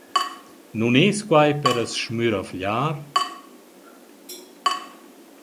Nun es quai per as schmüravgliar?